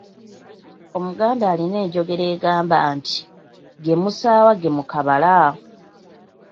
Omuganda alina enjogera egamba nti. “Ge musaawa gemukabala?